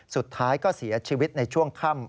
สุดท้ายก็เสียชีวิตในช่วงค่ำ